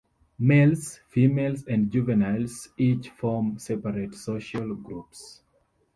Males, females and juveniles each form separate social groups.